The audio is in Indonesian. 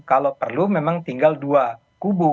kalau perlu memang tinggal dua kubu